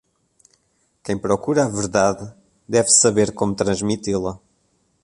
Quem procura a verdade deve saber como transmiti-la.